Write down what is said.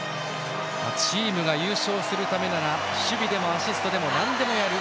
チームが優勝するためなら守備でもアシストでもなんでもやる。